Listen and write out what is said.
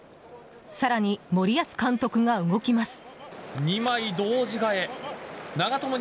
更に森保監督が動きます。